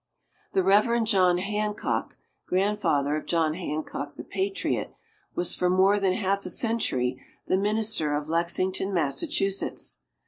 The Reverend John Hancock, grandfather of John Hancock the patriot, was for more than half a century the minister of Lexington, Massachusetts.